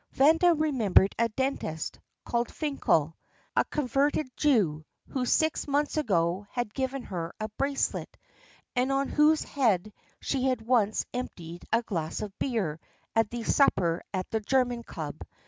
.." Vanda remembered a dentist, called Finkel, a converted Jew, who six months ago had given her a bracelet, and on whose head she had once emptied a glass of beer at the supper at the German Club.